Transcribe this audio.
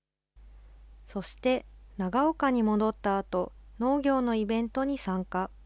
そして、長岡に戻ったあと、農業のイベントに参加。